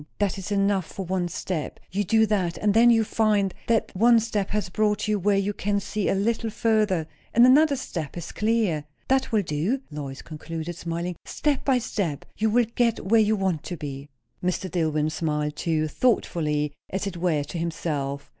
That is enough for one step. You do that; and then you find that that one step has brought you where you can see a little further, and another step is clear. That will do," Lois concluded, smiling; "step by step, you will get where you want to be." Mr. Dillwyn smiled too, thoughtfully, as it were, to himself.